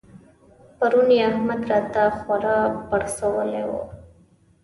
پرون يې احمد راته خورا پړسولی وو.